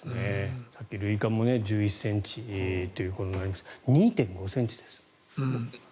塁間も１１ｃｍということになりますが２．５ｃｍです。